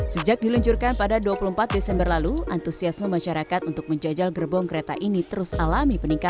sejak diluncurkan pada dua puluh empat desember lalu antusiasme masyarakat untuk menjajal gerbong kereta ini terus alami